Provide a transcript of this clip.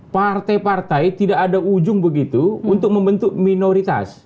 partai partai tidak ada ujung begitu untuk membentuk minoritas